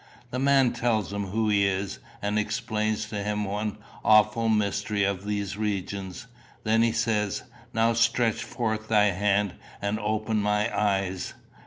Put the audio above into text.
The man tells him who he is, and explains to him one awful mystery of these regions. Then he says, 'Now stretch forth thy hand, and open my eyes.